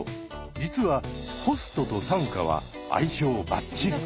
実はホストと短歌は相性バッチリ。